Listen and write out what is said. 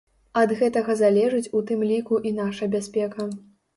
Ад гэтага залежыць у тым ліку і наша бяспека.